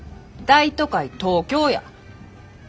大都会東京や！